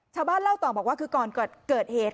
ชาวบ้านเล่าต่อบอกว่าก่อนเกิดเหตุ